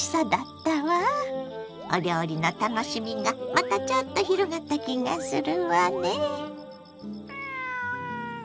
お料理の楽しみがまたちょっと広がった気がするわね。